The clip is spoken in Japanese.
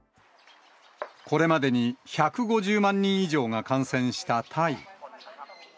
これまでに１５０万人以上が感染したタイ。